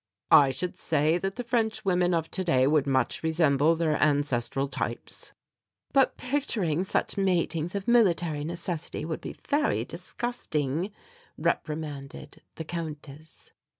"I should say that the French women of today would much resemble their ancestral types." "But picturing such matings of military necessity would be very disgusting," reprimanded the Countess.